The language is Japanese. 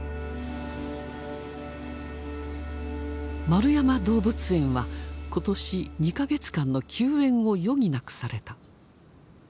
円山動物園は今年２か月間の休園を余儀なくされた。